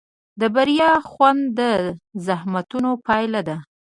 د بریا خوند د زحمتونو پایله ده.